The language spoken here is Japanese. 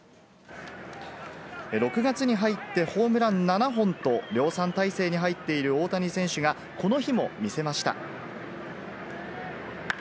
６月に入ってホームラン７本と量産体制に入っている大谷選手が、この日も見せました。